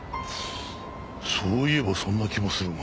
そういえばそんな気もするが。